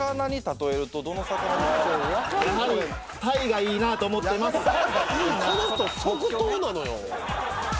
鯛がいいなと思ってます。